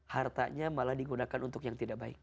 hartanya malah digunakan untuk yang tidak baik